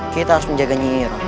kita harus menjaga nyi iroh